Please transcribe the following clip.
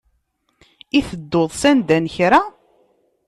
I tedduḍ sanda n kra?